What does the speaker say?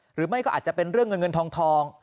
หรือไม่ก็อาจจะเป็นเรื่องเงินเงินทอง